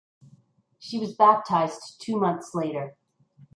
She was baptized two months later.